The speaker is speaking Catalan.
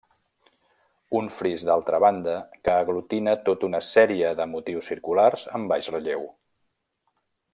Un fris d'altra banda, que aglutina tota una sèrie de motius circulars en baix relleu.